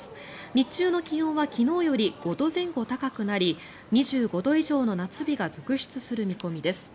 日中の気温は昨日より５度前後高くなり２５度以上の夏日が続出する見込みです。